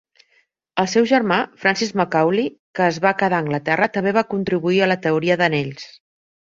El seu germà Francis Macaulay, que es va quedar a Anglaterra, també va contribuir a la teoria d'anells.